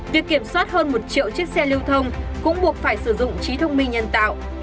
việc kiểm soát hơn một triệu chiếc xe lưu thông cũng buộc phải sử dụng trí thông minh nhân tạo